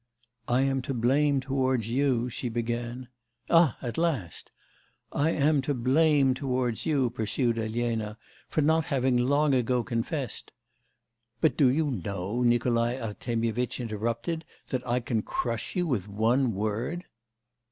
'I am to blame towards you ' she began. 'Ah, at last!' 'I am to blame towards you,' pursued Elena, 'for not having long ago confessed ' 'But do you know,' Nikolai Artemyevitch interrupted, 'that I can crush you with one word?